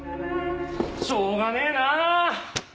しょうがねえな！